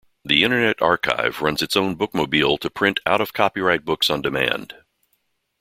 The Internet Archive runs its own bookmobile to print out-of-copyright books on demand.